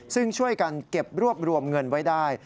ซึ่งช่วยกันเก็บรวบรวมเงินไว้ได้